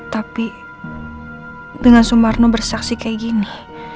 tapi dengan sumarno bersaksi kayak gini